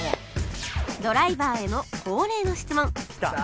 ドライバーへの恒例の質問